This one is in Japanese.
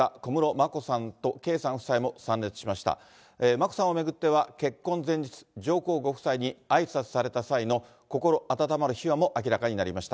眞子さんを巡っては、結婚前日、上皇ご夫妻にあいさつされた際の、心温まる秘話も明らかになりました。